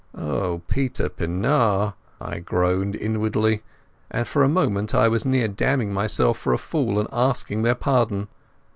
"Oh, Peter Pienaar," I groaned inwardly, and for a moment I was very near damning myself for a fool and asking their pardon.